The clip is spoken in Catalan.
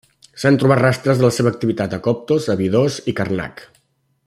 S'han trobat rastres de la seva activitat a Coptos, Abidos i Karnak.